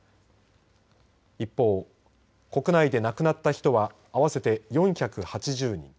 一方、国内で亡くなった人は合わせて４８０人。